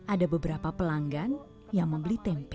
ada beberapa pelanggan yang membeli tempe